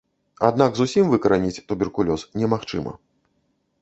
Аднак зусім выкараніць туберкулёз немагчыма.